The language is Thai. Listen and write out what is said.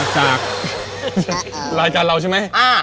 จากรายการเราใช่ไหม